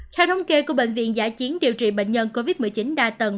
theo thống kê của bệnh viện giả chiến điều trị bệnh nhân covid một mươi chín đa tầng